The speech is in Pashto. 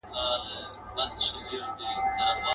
پکښي ګوري چي فالونه په تندي د سباوون کي.